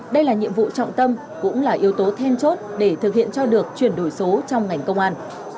đây là nhiệm vụ trọng tâm cũng là yếu tố thêm chốt để thực hiện cho được chuyển đổi số trong ngành công an